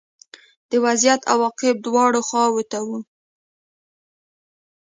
د وضعیت عواقب دواړو خواوو ته وو